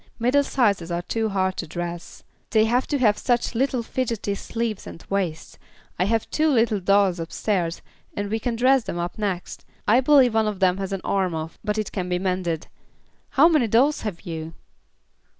Middle sizes are so hard to dress. They have to have such little fidgety sleeves and waists. I have two little dolls upstairs, and we can dress them up next. I believe one of them has an arm off, but it can be mended. How many dolls have you?"